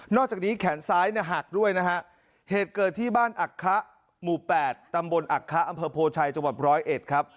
แล้วจากนี้แขนซ้ายหักด้วยเหตุเกิดที่บ้านอักคะหมู่๘ตำบลอักคะอำเภอโพชัยจังหวัด๑๐๑